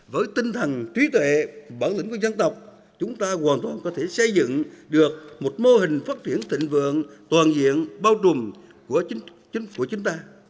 với tinh thần trí tuệ bản lĩnh của dân tộc chúng ta hoàn toàn có thể xây dựng được một mô hình phát triển thịnh vượng toàn diện bao trùm của chính phủ chúng ta